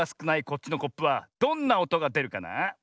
こっちのコップはどんなおとがでるかな？